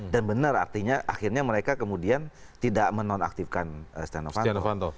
dan benar artinya akhirnya mereka kemudian tidak menonaktifkan astiano vanto